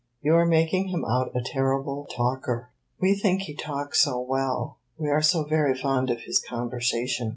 "You are making him out a terrible talker!" "We think he talks so well we are so very fond of his conversation."